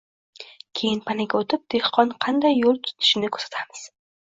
Keyin panaga oʻtib, dehqon qanday yoʻl tutishini kuzatamiz